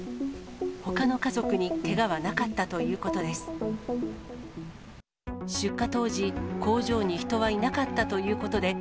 ほかの家族にけがはなかったということです。